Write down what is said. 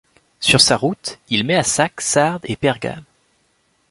Sur sa route, il met à sac Sardes et Pergame.